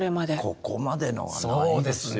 ここまでのはないですよね。